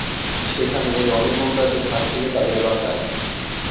সেখানে রনি গুন্ডাদের হাত থেকে তাদের বাঁচায়।